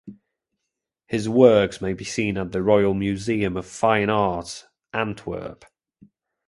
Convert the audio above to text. His works may be seen at the Royal Museum of Fine Arts Antwerp.